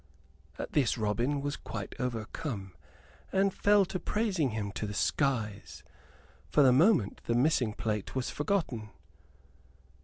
At this Robin was quite overcome, and fell to praising him to the skies. For the moment the missing plate was forgotten.